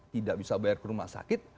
tidak bisa bayar ke rumah sakit